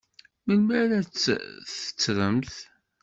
Melmi ara tt-tettremt?